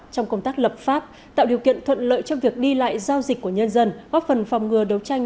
trong công tác lập pháp tạo điều kiện thuận lợi cho việc đi lại giao dịch của nhân dân góp phần phòng ngừa đấu tranh